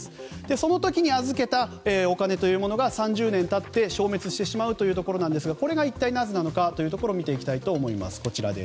その時に預けたお金というのが３０年経って、消滅してしまうというところなんですがこれが一体なぜなのかを見ていきたいと思います。